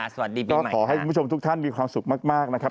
สวัสดีครับก็ขอให้คุณผู้ชมทุกท่านมีความสุขมากนะครับ